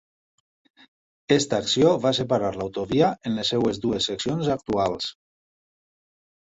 Aquesta acció va separar l'autovia en les seves dues seccions actuals.